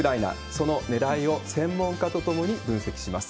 そのねらいを専門家と共に分析します。